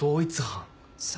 そう。